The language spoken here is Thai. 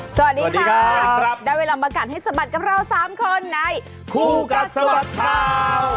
สวัสดีค่ะได้เวลามากัดให้สะบัดกับเรา๓คนในคู่กัดสะบัดข่าว